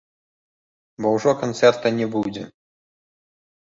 Бо ўжо канцэрта не будзе.